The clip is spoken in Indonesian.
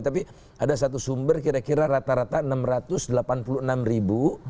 tapi ada satu sumber kira kira rata rata enam ratus delapan puluh enam ribu